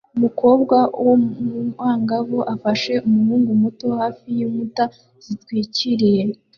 Umukobwa w'umwangavu afashe umuhungu muto hafi yinkuta zitwikiriye